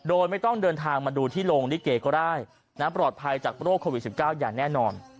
โดยไม่ต้องเดินทางมาดูที่โรงลิเกก็ได้ปลอดภัยจากโรคโควิด๑๙อย่างแน่นอน